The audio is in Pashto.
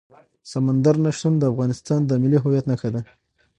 سمندر نه شتون د افغانستان د ملي هویت نښه ده.